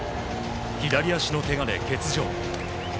左足のけがで欠場。